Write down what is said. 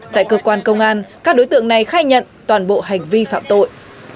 tại cơ quan công an các đối tượng này khai nhận toàn bộ hành vi phạm tội